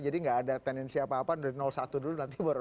jadi nggak ada tenensi apa apa dari satu dulu nanti baru dua